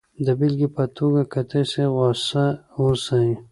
د بېلګې په توګه که تاسې غسه اوسئ